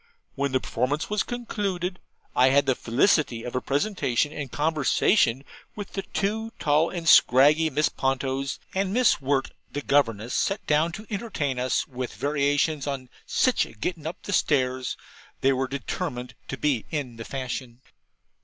When the performance was concluded, I had the felicity of a presentation and conversation with the two tall and scraggy Miss Pontos; and Miss Wirt, the governess, sat down to entertain us with variations on 'Sich a gettin' up Stairs.' They were determined to be in the fashion.